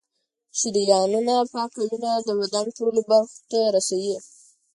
شریانونه پاکه وینه د بدن ټولو برخو ته رسوي.